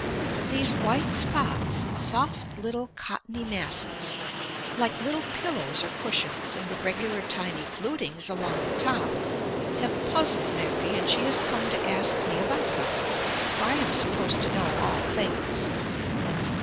But these white spots, soft little cottony masses, like little pillows or cushions, and with regular tiny flutings along the top, have puzzled Mary, and she has come to ask me about them, for I am supposed to know all things.